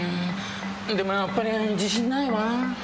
でもやっぱり自信ないわ。